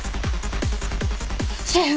シェフ！